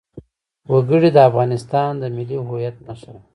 وګړي د افغانستان د ملي هویت نښه ده.